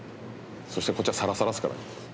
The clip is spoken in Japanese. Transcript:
そしてこっちはサラサラですからね。